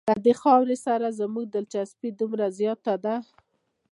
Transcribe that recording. له دې خاورې سره زموږ دلچسپي دومره زیاته ده.